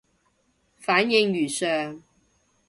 反應如上